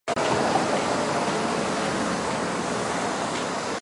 上海市顾村中学是宝山区顾村镇的一所完全中学。